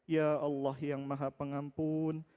ya allah yang maha pengampun